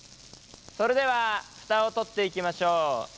それではフタを取っていきましょう。